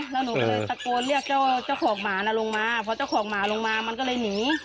แล้วหนูก็เลยตะโกนเรียกเจ้าของหมาน่ะลงมาพอเจ้าของหมาลงมามันก็เลยหนี